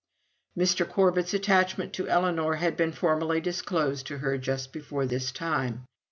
Mr. Corbet's attachment to Ellinor had been formally disclosed to her just before this time.